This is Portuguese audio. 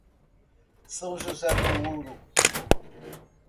São José do Ouro